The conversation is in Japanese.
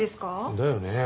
だよね。